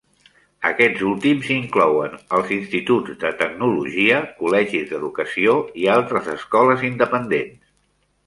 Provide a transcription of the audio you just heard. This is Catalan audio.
Aquests últims inclouen els instituts de tecnologia, col·legis d'educació, i altres escoles independents.